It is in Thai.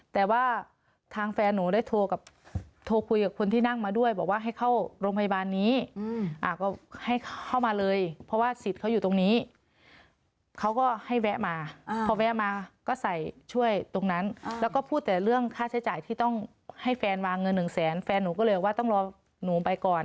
แต่ว่าทางแฟนหนูได้โทรกับโทรคุยกับคนที่นั่งมาด้วยบอกว่าให้เข้าโรงพยาบาลนี้ก็ให้เข้ามาเลยเพราะว่าสิทธิ์เขาอยู่ตรงนี้เขาก็ให้แวะมาพอแวะมาก็ใส่ช่วยตรงนั้นแล้วก็พูดแต่เรื่องค่าใช้จ่ายที่ต้องให้แฟนวางเงินหนึ่งแสนแฟนหนูก็เลยว่าต้องรอหนูไปก่อน